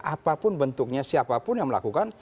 apapun bentuknya siapapun yang melakukan